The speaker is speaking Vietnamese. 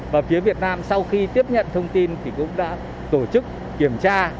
và phía việt nam sau khi tiếp nhận thông tin thì cũng đã tổ chức kiểm tra